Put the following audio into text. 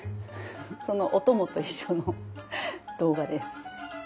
そのオトモと一緒の動画です。